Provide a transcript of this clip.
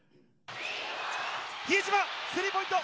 比江島、スリーポイント。